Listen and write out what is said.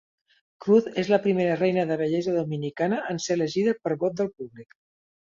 Cruz és la primera reina de bellesa dominicana en ser elegida per vot del públic.